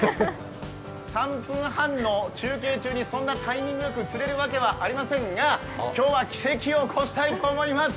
３分半の中継中に、そんなタイミングよく釣れるわけはありませんが、今日は奇跡を起こしたいと思います。